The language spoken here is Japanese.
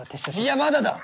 いやまだだ！